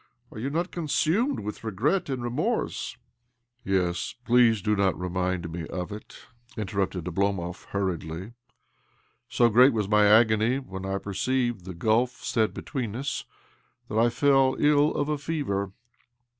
Are you not consumed with regret and remorse? "" Yes ; please do not remind me of it," interrupted Oblomov hurriedly. " So great was my agony when I perceived the gulf set between us that I fell ill of a fever.